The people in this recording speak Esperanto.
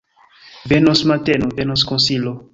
Venos mateno, venos konsilo!